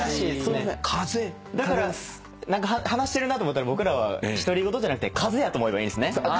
話してるなと思ったら僕らは独り言じゃなくて風やと思えばいいんですね。